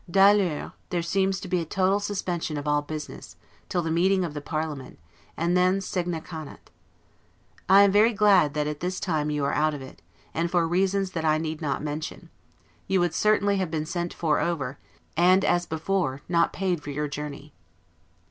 'D'ailleurs', there seems to be a total suspension of all business, till the meeting of the parliament, and then 'Signa canant'. I am very glad that at this time you are out of it: and for reasons that I need not mention: you would certainly have been sent for over, and, as before, not paid for your journey.